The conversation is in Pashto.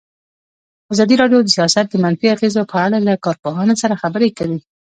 ازادي راډیو د سیاست د منفي اغېزو په اړه له کارپوهانو سره خبرې کړي.